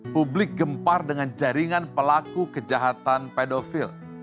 publik gempar dengan jaringan pelaku kejahatan pedofil